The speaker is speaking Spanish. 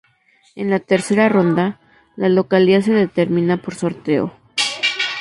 En la tercera ronda, la localía se determina por sorteo.